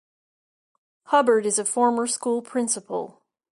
Hubbard is a former school principal.